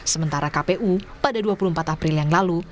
sementara kpu pada dua puluh empat april yang lalu